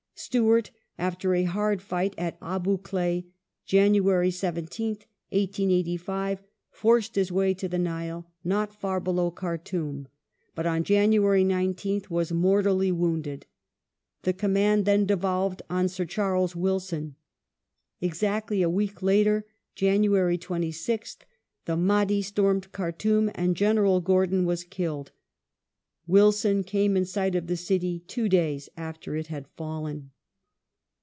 Stewart, after a hard fight at Abu Klea (Jan. 17th, 1885), forced his way to the Nile, not far below Khartoum, but on January 19th was mortally wounded. The command then devolved on Sir Charles Wilson. Exactly a week later (Jan. 26th) the Mahdi stormed Khartoum and General Gordon was killed. Wilson came in sight of the City two days after it had fallen.